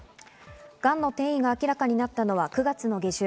がんの転移が明らかになったのは９月下旬。